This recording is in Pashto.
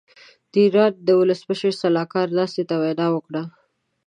د ايران د ولسمشر سلاکار ناستې ته وینا وکړه.